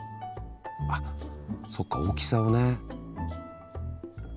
あっそっか大きさをね。